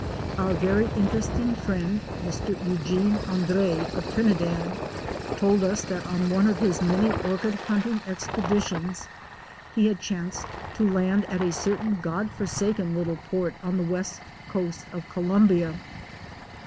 Our 'very interesting friend Mr. Eugene André of Trinidad told us that on one of his many orchid hunting expeditions he had chanced to land at a certain God forsaken little port on the west coast of Colombia.